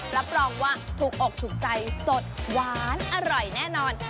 รับรองว่าถูกอกถูกใจสดหวานอร่อยแน่นอน